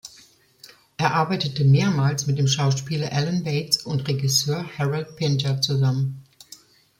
Er arbeitete mehrmals mit dem Schauspieler Alan Bates und Regisseur Harold Pinter zusammen.